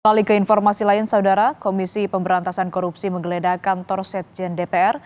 melalui keinformasi lain saudara komisi pemberantasan korupsi menggeledah kantor setjen dpr